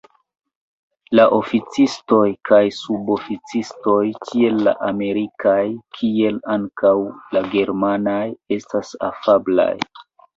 La oficistoj kaj suboficistoj, tiel la amerikaj kiel ankaŭ la germanaj, estas afablaj.